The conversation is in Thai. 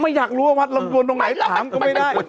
อยากรู้ว่าวัดลำดวนตรงไหนถามก็ไม่ได้